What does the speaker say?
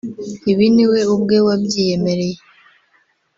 Ibi ni we ubwe wabyiyemereye